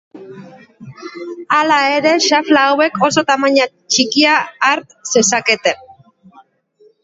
Hala ere, xafla hauek oso tamaina txikia har zezaketen.